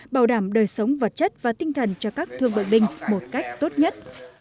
bảo đảm đời sống vật chất và tinh thần cho các thương bệnh binh một cách tốt nhất